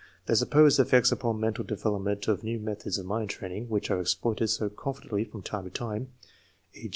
The supposed cft'ects upon mental develop ment of new methods of mind training, which arc exploited so confidently from time to time (e.